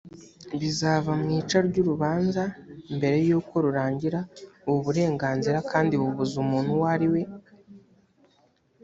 bizava mu ica ry urubanza mbere y uko rurangira ubu burenganzira kandi bubuza umuntu uwo ari we